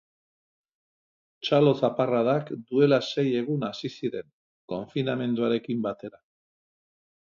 Txalo zaparradak duela sei egun hasi ziren, konfinamenduarekin batera.